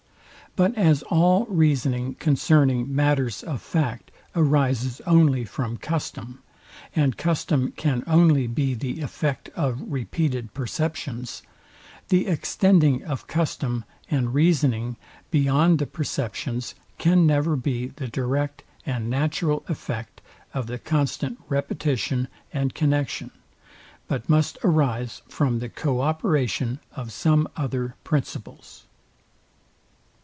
But as all reasoning concerning matters of fact arises only from custom, and custom can only be the effect of repeated perceptions, the extending of custom and reasoning beyond the perceptions can never be the direct and natural effect of the constant repetition and connexion, but must arise from the co operation of some other principles.